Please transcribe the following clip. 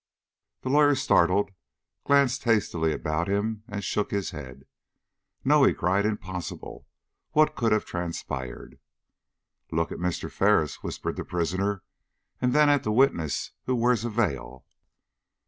The lawyer, startled, glanced hastily about him and shook his head. "No," he cried; "impossible! What could have transpired?" "Look at Mr. Ferris," whispered the prisoner, "and then at the witness who wears a veil."